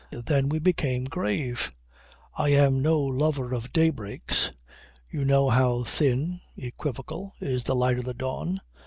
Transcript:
Then we became grave. I am no lover of day breaks. You know how thin, equivocal, is the light of the dawn.